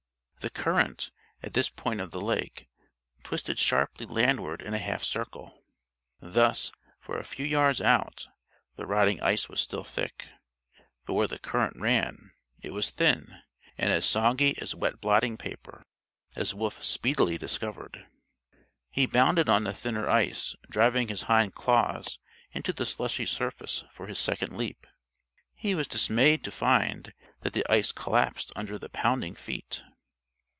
The current, at this point of the lake, twisted sharply landward in a half circle. Thus, for a few yards out, the rotting ice was still thick, but where the current ran, it was thin, and as soggy as wet blotting paper as Wolf speedily discovered. He bounded on the thinner ice driving his hind claws into the slushy surface for his second leap. He was dismayed to find that the ice collapsed under the pounding feet.